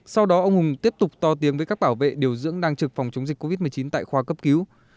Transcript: sau đó ông hùng tiếp tục to tiếng với các bảo vệ điều dưỡng đang trực phòng chống dịch covid một mươi chín tại khoa cấp cứu